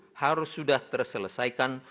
hal ini harus sudah terselesaikan